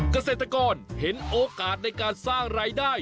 เกษตรกรเห็นโอกาสในการสร้างรายได้